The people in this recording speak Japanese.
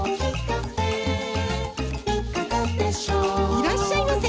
いらっしゃいませ！